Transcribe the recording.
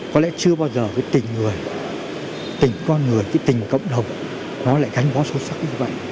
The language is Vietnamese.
có lẽ chưa bao giờ cái tình người tình con người cái tình cộng đồng nó lại gắn bó sâu sắc như vậy